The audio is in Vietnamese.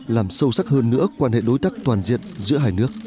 làm sâu sắc hơn nữa quan hệ đối tác toàn diện giữa hai nước